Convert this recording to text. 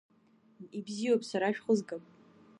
Ибзиоуп, сара шәхызгап.